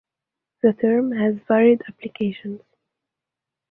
The term has varied applications.